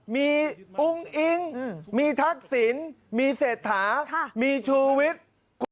มีอุ้งอิ๊งมีทักษิณมีเศรษฐามีชูวิทย์